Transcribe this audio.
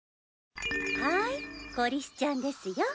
はいコリスちゃんですよ。